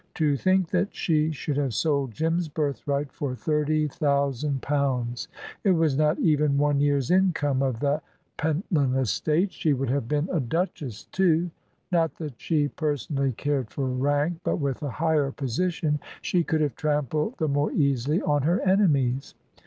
To think that she should have sold Jim's birthright for thirty thousand pounds! It was not even one year's income of the Pentland estates. She would have been a Duchess, too; not that she personally cared for rank, but with a higher position she could have trampled the more easily on her enemies.